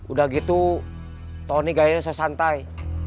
udah gitu tony kayaknya sesantai